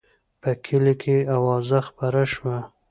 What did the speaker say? په کلي کې اوازه خپره شوه.